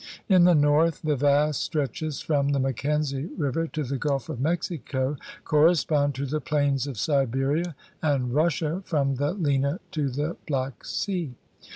In the north the vast stretches from the Mackenzie River to the Gulf of Mexico corre spond to the plains of Siberia and Russia from the Lena to the Black Sea.